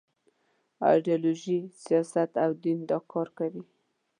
ایډیالوژي، سیاست او دین دا کار کوي.